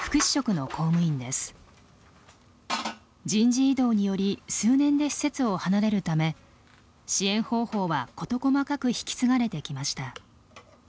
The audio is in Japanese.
人事異動により数年で施設を離れるため支援方法は事細かく引き継がれてきました。